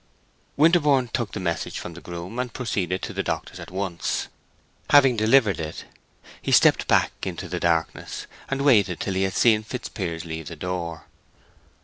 Winterborne took the message from the groom and proceeded to the doctor's at once. Having delivered it, he stepped back into the darkness, and waited till he had seen Fitzpiers leave the door.